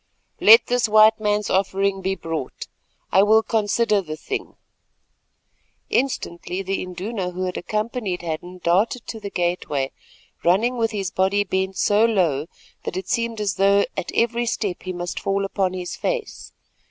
"Let this white man's offering be brought; I will consider the thing." Instantly the Induna who had accompanied Hadden darted to the gateway, running with his body bent so low that it seemed as though at every step he must fall upon his face.